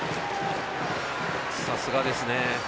さすがですね。